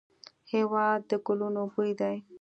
هېواد د ګلونو بوی دی.